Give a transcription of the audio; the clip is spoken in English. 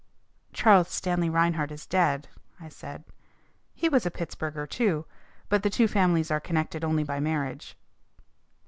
"Charles Stanley Reinhart is dead," I said. "He was a Pittsburgher, too, but the two families are connected only by marriage."